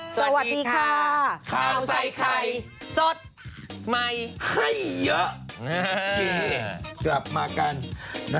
สวัสดีค่ะข้าวใส่ไข่สดใหม่ให้เยอะกลับมากัน